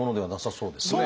そうですね。